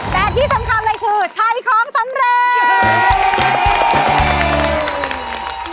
แต่ที่สำคัญเลยคือไทยของสำเร็จ